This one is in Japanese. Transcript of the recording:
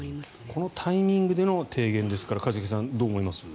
このタイミングでの提言ですから一茂さん、どう思います？